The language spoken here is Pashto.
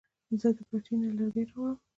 زه د پټي نه لرګي راوړم